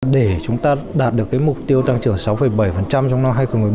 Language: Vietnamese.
để chúng ta đạt được mục tiêu tăng trưởng sáu bảy trong năm hai nghìn một mươi bốn